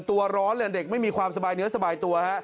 ตัวร้อนเลยเด็กไม่มีความสบายเนื้อสบายตัวฮะ